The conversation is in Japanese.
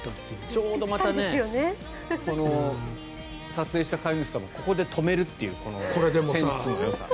ちょうどまた撮影した飼い主さんもここで止めるというセンスのよさ。